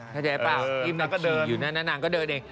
เข้าใจเปล่าอิ่มนักขี่อยู่นะนางก็เดินเอง